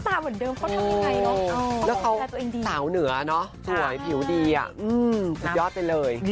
สวยผิวดีอ่ะสุดยอดไปเลย